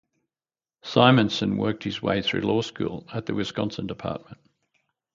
Simonson worked his way through law school at the Wisconsin Dept.